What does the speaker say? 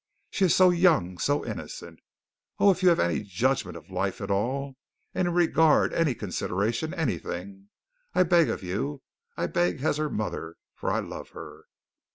She is so young, so innocent. Oh, if you have any judgment of life at all, any regard, any consideration, anything, I beg of you; I beg as her mother, for I love her.